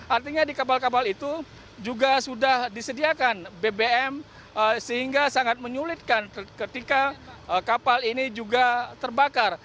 artinya di kapal kapal itu juga sudah disediakan bbm sehingga sangat menyulitkan ketika kapal ini juga terbakar